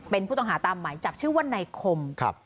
เป็นผู้ต้องหาตามหมายจับชื่อว่านายคม